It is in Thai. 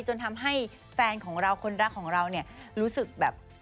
จนทำให้แฟนของเราคนรักของเราเนี่ยรู้สึกแบบ